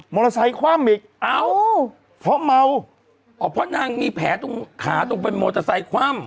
อเตอร์ไซคว่ำอีกเอ้าเพราะเมาอ๋อเพราะนางมีแผลตรงขาตรงเป็นมอเตอร์ไซค์คว่ำ